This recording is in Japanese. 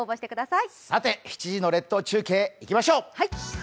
さて７時の列島中継いきましょう。